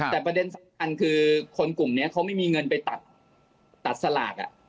แต่ประเด็นสำคัญคือคนกลุ่มนี้เขาไม่มีเงินไปตัดสลาก